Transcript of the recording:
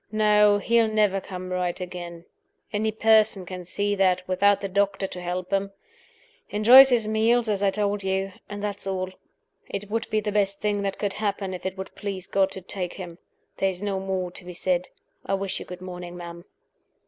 No: he'll never come right again. Any person can see that, without the doctor to help 'em. Enjoys his meals, as I told you; and that's all. It would be the best thing that could happen if it would please God to take him. There's no more to be said. I wish you good morning, ma'am."